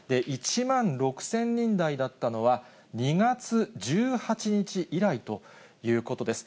１万６０００人台だったのは、２月１８日以来ということです。